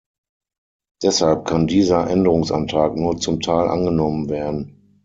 Deshalb kann dieser Änderungsantrag nur zum Teil angenommen werden.